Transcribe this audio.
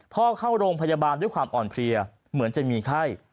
เข้าโรงพยาบาลด้วยความอ่อนเพลียเหมือนจะมีไข้